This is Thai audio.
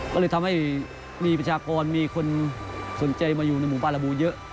ก็เลยทำให้มีประชากรมีคนสนใจมาอยู่ในหมู่ปาระบูเยอะ